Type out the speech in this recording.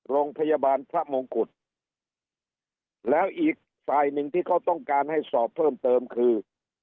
โรงพยาบาลพระมงกุฎแล้วอีกฝ่ายหนึ่งที่เขาต้องการให้สอบเพิ่มเติมคือ